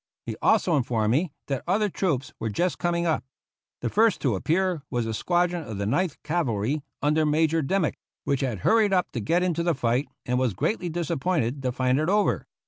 He also informed me that other troops were just coming up. The first to appear was a squadron of the Ninth Cavalry, under Major Dimick, which had hurried up to get into the fight, and was greatly disappointed to find it over.